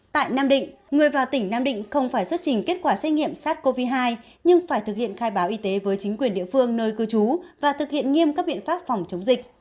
tại nam định người vào tỉnh nam định không phải xuất trình kết quả xét nghiệm sars cov hai nhưng phải thực hiện khai báo y tế với chính quyền địa phương nơi cư trú và thực hiện nghiêm các biện pháp phòng chống dịch